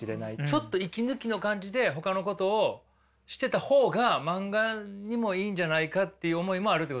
ちょっと息抜きの感じでほかのことをしてた方が漫画にもいいんじゃないかっていう思いもあるってことですか。